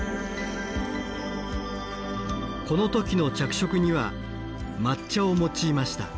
この時の着色には抹茶を用いました。